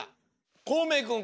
こうめいくん